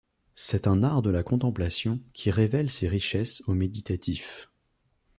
C'est un art de la contemplation qui révèle ses richesses aux méditatifs.